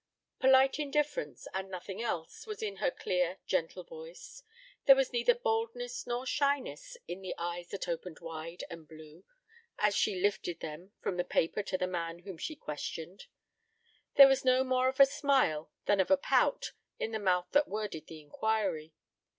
Polite indifference, and nothing else, was in her clear, gentle voice. There was neither boldness nor shyness in the eyes that opened wide and blue, as she lifted them from the paper to the man whom she questioned. There was no more of a smile than of a pout on the mouth that worded the inquiry.